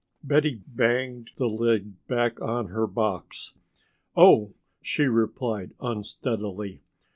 Betty banged the lid back on her box. "Oh," she replied unsteadily.